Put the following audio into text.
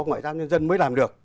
ngoại giao nhân dân mới làm được